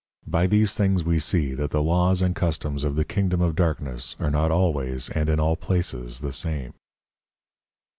By these things we see, that the Laws and Customs of the Kingdom of darkness, are not always and in all places the same.